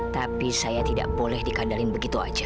tapi saya tidak boleh dikandalkan begitu aja